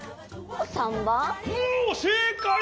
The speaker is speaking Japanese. おおせいかい！